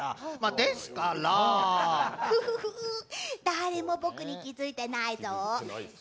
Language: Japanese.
ですから誰も僕に気づいてないぞ。